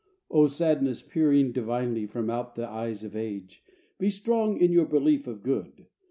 O Sadness peering divinely From out the eyes of age, Be strong in your belief of good.